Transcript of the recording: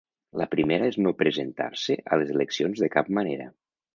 La primera és no presentar-se a les eleccions de cap manera.